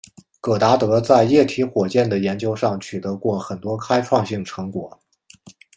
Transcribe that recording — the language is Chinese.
戈达德在液体火箭的研究上取得过很多开创性成果。